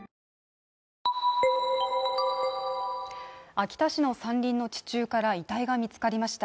秋田市の山林の地中から遺体が見つかりました。